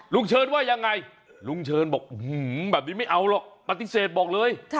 เชิญว่ายังไงลุงเชิญบอกแบบนี้ไม่เอาหรอกปฏิเสธบอกเลย